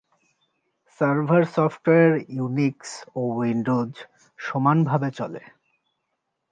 Server software Unix ও উইন্ডোজে সমানভাবে চলে।